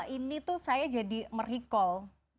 ini tuh saya jadi mericall